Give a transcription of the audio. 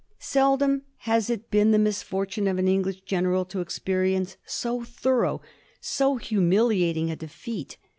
Seldom has it been the misfortune of an English gen eral to experience so thorough, so humiliating a defeat.